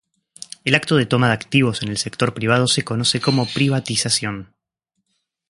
El acto de toma de activos en el sector privado se conoce como privatización.